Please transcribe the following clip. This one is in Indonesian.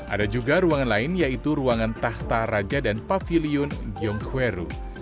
ada juga ruangan lain yaitu ruangan tahta raja dan pavilion gyeongweru